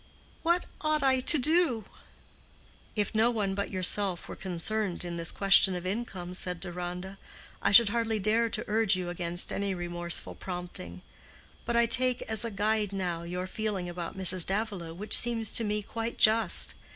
What ought I to do?" "If no one but yourself were concerned in this question of income," said Deronda, "I should hardly dare to urge you against any remorseful prompting; but I take as a guide now, your feeling about Mrs. Davilow, which seems to me quite just.